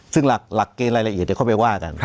ซึ่งหลักเกณฑ์รายละเอียดเดี๋ยวค่อยไปว่ากัน